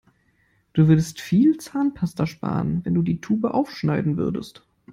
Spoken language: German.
Du würdest viel Zahnpasta sparen, wenn du die Tube aufschneiden würdest.